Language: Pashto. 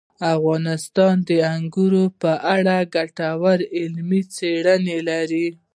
افغانستان د انګورو په اړه ګټورې علمي څېړنې لري.